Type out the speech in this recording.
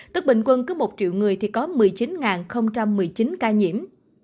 tức bình quân cứ một triệu người thì có một mươi chín một mươi chín ca nhiễm